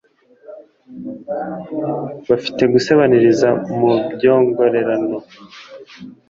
bafite gusebaniriza mu byongorerano,